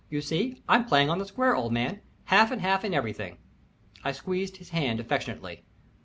"You see, I'm playing on the square, old man. Half and half in everything." I squeezed his hand affectionately.